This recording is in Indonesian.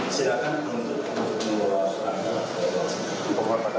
silakan untuk menurutmu pak mada